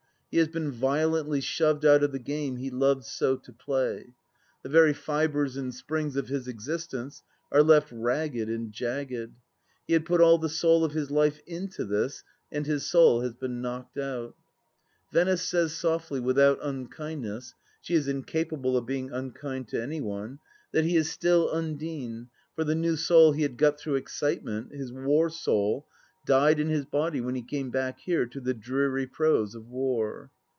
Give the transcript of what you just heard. He has been violently shoved out of the game he loved so to play. The very fibres and springs of his existence are left ragged and jagged. He had put all the soul of his life into this, and his soul has been knocked out !... Venice says softly, without imkindness — she is incapable of being unkind to any one — ^that he is still Undine, for the new soul he had got through excitement, his war soul, died in his body when he came back here to the dreary prose of war.